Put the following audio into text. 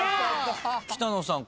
北野さん